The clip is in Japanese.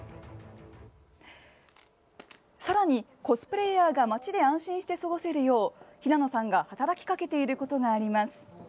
さらに、コスプレイヤーが町で安心して過ごせるよう平野さんが働きかけていることがあります。